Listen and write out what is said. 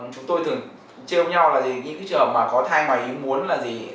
chúng tôi thường trêu nhau là những trường hợp mà có thai mà ý muốn là gì